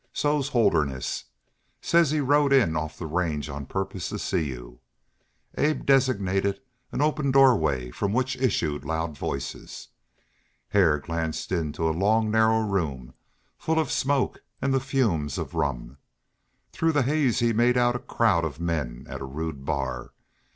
So's Holderness. Says he rode in off the range on purpose to see you." Abe designated an open doorway from which issued loud voices. Hare glanced into a long narrow room full of smoke and the fumes of rum. Through the haze he made out a crowd of men at a rude bar.